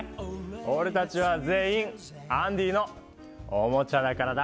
俺達は全員アンディのおもちゃだからだ。